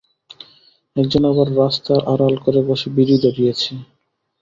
এক জন আবার রাস্তা আড়াল করে বসে বিড়ি ধরিয়েছে।